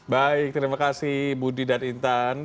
baik terima kasih budi dan intan